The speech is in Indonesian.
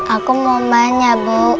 aku mau banya bu